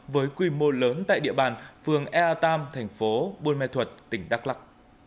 với quy mô lớn tại địa bàn phường ea tam thành phố buôn mê thuật tỉnh đắk lắc